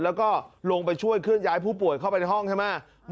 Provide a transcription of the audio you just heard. แล้วก็ลงไปช่วยผู้ป่วยเข้าไปใต้ห้องใช่ไหม